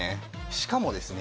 しかもですね